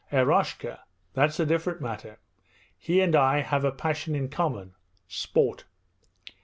Eroshka that's a different matter! He and I have a passion in common sport.'